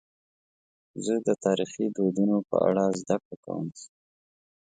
زه د تاریخي دودونو په اړه زدهکړه کوم.